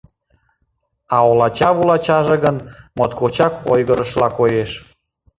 А олача-вулачаже гын моткочак ойгырышыла коеш.